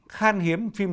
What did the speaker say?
khan hiếm phim ảnh